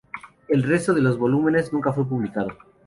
El resto de los volúmenes nunca fue publicado.